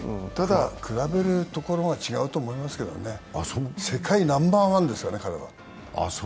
比べるところが違うと思いますけどね、世界ナンバーワンだから、彼は。